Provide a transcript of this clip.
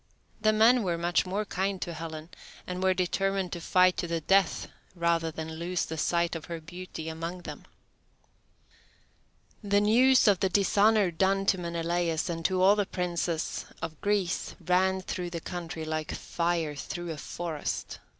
The men were much more kind to Helen, and were determined to fight to the death rather than lose the sight of her beauty among them. The news of the dishonour done to Menelaus and to all the princes of Greece ran through the country like fire through a forest.